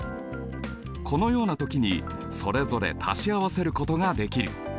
このような時にそれぞれ足し合わせることができる。